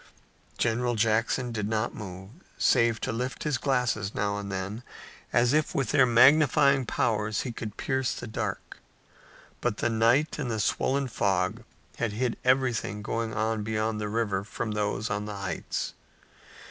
General Jackson did not move, save to lift his glasses now and then, as if with their magnifying powers he could pierce the dark. But the night and the swollen fog still hid everything going on beyond the river from those on the heights.